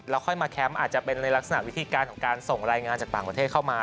ค่อยมาแคมป์อาจจะเป็นในลักษณะวิธีการของการส่งรายงานจากต่างประเทศเข้ามา